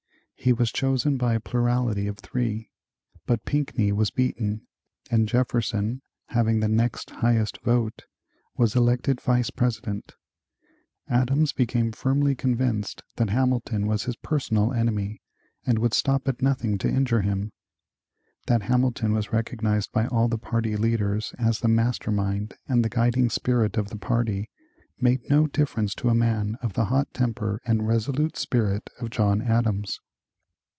He was chosen by a plurality of three, but Pinckney was beaten, and Jefferson, having the next highest vote, was elected Vice President. Adams became firmly convinced that Hamilton was his personal enemy and would stop at nothing to injure him. That Hamilton was recognized by all the party leaders as the master mind and the guiding spirit of the party made no difference to a man of the hot temper and resolute spirit of John Adams.